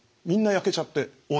みんな焼けちゃって。